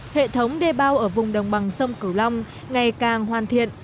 hệ thống đê bao ở vùng đồng bằng sông cửu long ngày càng hoàn thiện